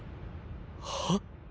はっ？